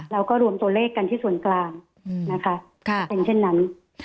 แล้วก็รวมตัวเลขกันที่ส่วนกลางเป็นเช่นนั้น